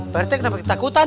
pak rete kenapa kita takutan